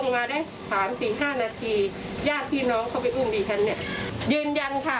แม่ชีค่ะ